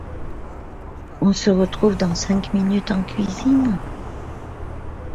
On se retrouve dans cinq minutes en cuisine ?